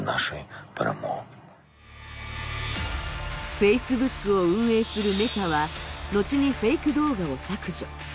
Ｆａｃｅｂｏｏｋを運営するメタは、後にフェイク動画を削除。